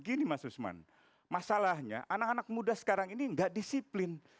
gini mas usman masalahnya anak anak muda sekarang ini nggak disiplin